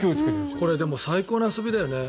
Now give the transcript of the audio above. これでも最高の遊びだよね